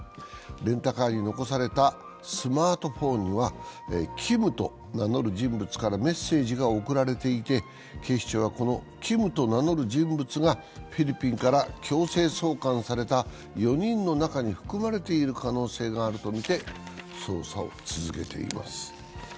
レンタカーに残されたスマートフォンにはＫｉｍと名乗る人物からメッセージが送られていて、警視庁は、このＫｉｍと名乗る人物がフィリピンから強制送還された４人の中に含まれている可能性があるとみて捜査を続けています。